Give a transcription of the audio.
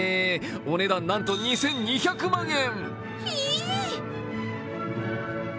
お値段なんと２２００万円。